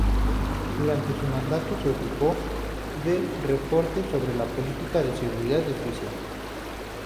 Durante su mandato se ocupó del reporte sobre la política de seguridad de Suiza.